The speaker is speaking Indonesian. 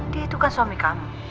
dia itu kan suami kamu